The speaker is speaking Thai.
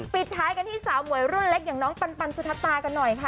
ปิดท้ายกันที่สาวหมวยรุ่นเล็กอย่างน้องปันสุธากันหน่อยค่ะ